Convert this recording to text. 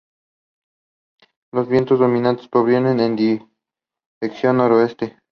Los vientos dominantes provienen en dirección noroeste.